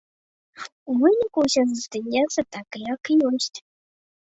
У выніку ўсё застаецца так, як ёсць.